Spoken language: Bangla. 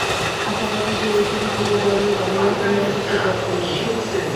আশাবাদী যে, এ সিরিজে এ ধরনের ঘটনার পুণরাবৃত্তি ঘটবে না।